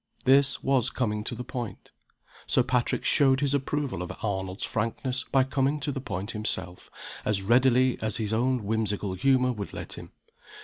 This was coming to the point. Sir Patrick showed his approval of Arnold's frankness by coming to the point himself, as readily as his own whimsical humor would let him.